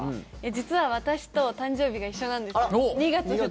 実は私と誕生日が一緒なんです。